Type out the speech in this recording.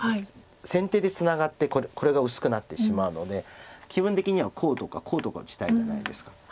先手でツナがってこれが薄くなってしまうので気分的にはこうとかこうとか打ちたいじゃないですか。